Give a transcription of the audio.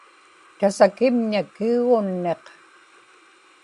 tasakimña kiguunniq